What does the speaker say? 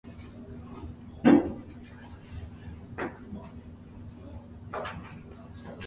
The diagram demonstrates some of the peculiarities of Madrasi.